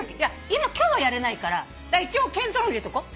今日はやれないから一応検討の方入れとこう。